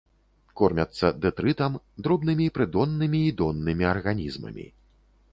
Кормяцца дэтрытам, дробнымі прыдоннымі і доннымі арганізмамі.